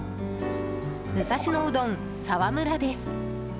武蔵野うどん澤村です。